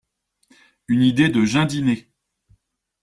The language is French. Une idée de Gindinet…